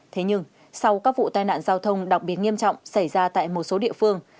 thế nhưng sau các vụ tai nạn giao thông đặc biệt nghiêm trọng xảy ra tại một số địa phương